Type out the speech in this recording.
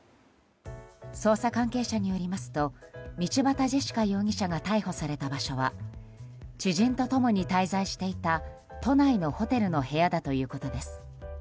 捜査関係者によりますと道端ジェシカ容疑者が逮捕された場所は知人と共に滞在していた都内のホテルの部屋だということです。